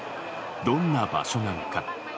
どんな場所なのか。